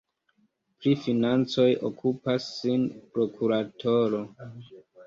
Pri financoj okupas sin prokuratoro.